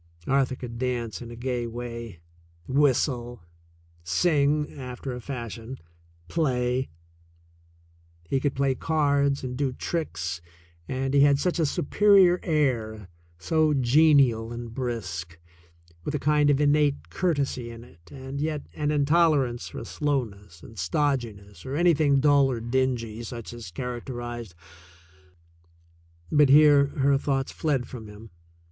Arthur could dance in a gay way, whistle, sing after a fashion, play. He could play cards and do tricks, and he had such a superior air, so genial and brisk, with a kind of innate courtesy in it and yet an intolerance for slowness and stodginess or any thing dull or dingy, such as characterized But here her thoughts fled from him.